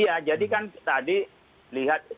nah iya jadi kan tadi lihat ya